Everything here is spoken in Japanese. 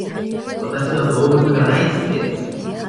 わたしは動物が大好きです。